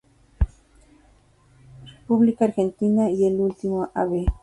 República Argentina y el último Av.